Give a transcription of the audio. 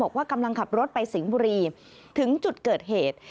กำลังขับรถไปสิงห์บุรีถึงจุดเกิดเหตุ